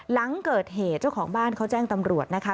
หลังเกิดเหตุเจ้าของบ้านเขาแจ้งตำรวจนะคะ